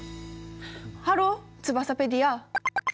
ハローツバサペディア！